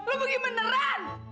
lo pergi beneran